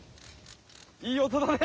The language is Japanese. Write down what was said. いい音だね！